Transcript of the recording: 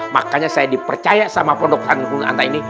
makanya saya dipercaya sama produk tangan kulung anta ini